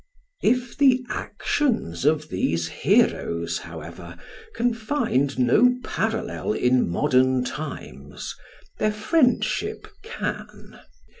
If the actions of these heroes, however, can find no parallel in modern times, their friendship can.